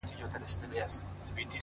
زما د سترگو له جوړښته قدم اخله-